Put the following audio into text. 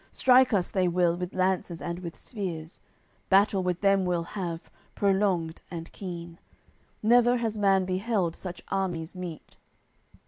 Strike us they will with lances and with spears: Battle with them we'll have, prolonged and keen; Never has man beheld such armies meet."